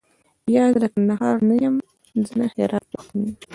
یا، زه د کندهار نه یم زه د هرات پښتون یم.